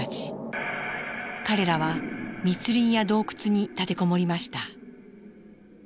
彼らは密林や洞窟に立て籠もりました。